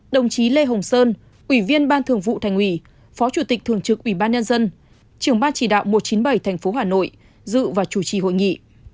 đồng chí lê hồng sơn ủy viên ban thường vụ thành hủy phó chủ tịch thường trực ubnd trưởng ban chỉ đạo một trăm chín mươi bảy tp hà nội dự và chủ trì hội nghị